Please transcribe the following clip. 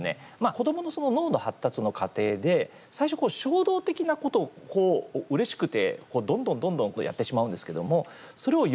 子どもの脳の発達の過程で最初衝動的なことをこううれしくてどんどんどんどんやってしまうんですけどもそれを抑制するということがですね